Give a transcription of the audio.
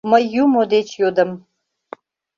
Мый Юмо деч йодым.